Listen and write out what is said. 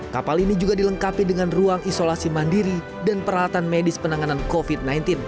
kapal ini juga dilengkapi dengan ruang isolasi mandiri dan peralatan medis penanganan covid sembilan belas